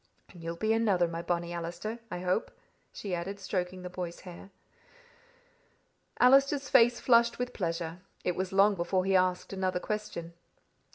And you'll be another, my bonnie Allister, I hope," she added, stroking the boy's hair. Allister's face flushed with pleasure. It was long before he asked another question.